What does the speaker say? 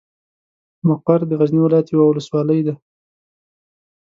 مقر د غزني ولايت یوه ولسوالۍ ده.